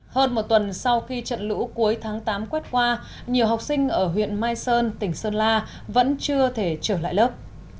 hơn một tuần sau khi trận lũ cuối tháng tám quét qua nhiều học sinh ở huyện mai sơn tỉnh sơn la vẫn chưa thể trở lại lớp